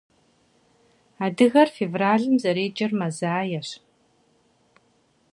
Адыгэр февралым зэреджэр мазаещ.